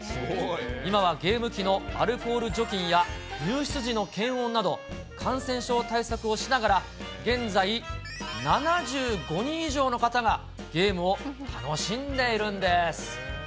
今はゲーム機のアルコール除菌や、入室時の検温など、感染症対策をしながら、現在、７５人以上の方がゲームを楽しんでいるんです。